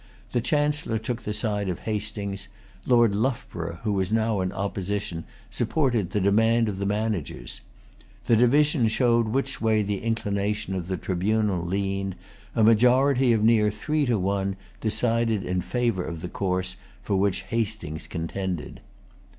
The Chancellor took the side of Hastings. Lord Loughborough, who was now in opposition, supported the demand of the managers. The division showed which way the inclination of the tribunal leaned. A majority of near three to one decided in favor of the course for which Hastings contended.